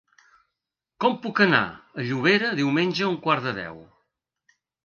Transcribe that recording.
Com puc anar a Llobera diumenge a un quart de deu?